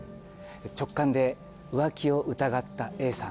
直感で浮気を疑ったＡさん。